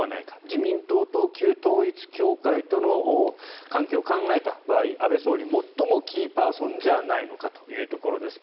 自民党と旧統一教会との関係を考えた場合安倍元総理最もキーパーソンじゃないのかというところです。